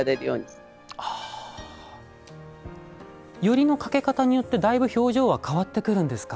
撚りのかけ方によってだいぶ表情は変わってくるんですか？